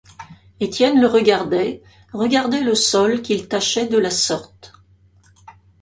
Étienne le regardait, regardait le sol qu’il tachait de la sorte.